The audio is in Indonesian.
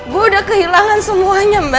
gue udah kehilangan semuanya mbak